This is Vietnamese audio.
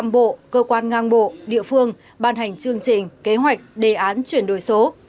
một trăm linh bộ cơ quan ngang bộ địa phương ban hành chương trình kế hoạch đề án chuyển đổi số